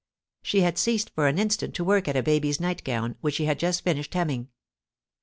She had ceased for an instant to work at a baby's nightgown, which she had just finished hemming.